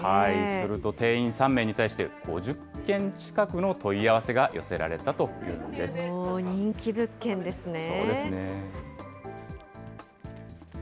すると定員３名に対して５０件近くの問い合わせが寄せられた人気物件ですね。